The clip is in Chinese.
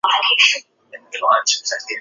拜监察御史。